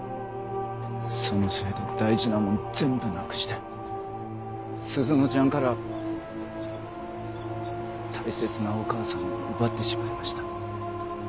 そのせいで大事なものを全部なくして鈴乃ちゃんから大切なお母さんを奪ってしまいました。